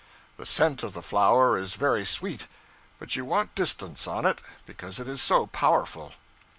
The scent of the flower is very sweet, but you want distance on it, because it is so powerful.